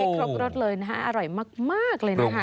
ครบรสเลยนะคะอร่อยมากเลยนะคะ